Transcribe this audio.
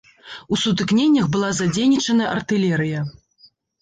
У сутыкненнях была задзейнічана артылерыя.